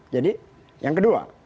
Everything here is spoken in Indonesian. jadi yang kedua